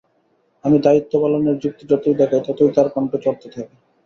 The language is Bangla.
আমি দায়িত্ব পালনের যুক্তি যতই দেখাই, ততই তাঁর কণ্ঠ চড়তে থাকে।